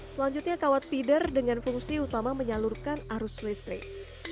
selanjutnya kawat feeder dengan fungsi utama menyalurkan arus listrik